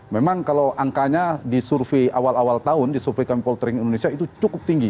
memang kalau angkanya di survei awal awal tahun di survei kami poltering indonesia itu cukup tinggi